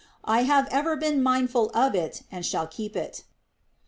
I have ever been mindful of and shall keep it."